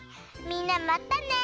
みんなまたね。